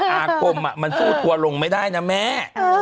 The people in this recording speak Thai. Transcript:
อาคมมันสู้ทัวร์ลงไม่ได้นะแม่